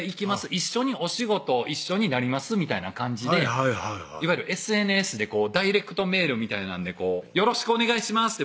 一緒にお仕事一緒になりますみたいな感じでいわゆるＳＮＳでダイレクトメールみたいなんで「よろしくお願いします」って